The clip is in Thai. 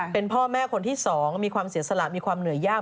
เป็นพ่อแม่คนที่๒มีความเสียสละมีความเหนื่อยยาก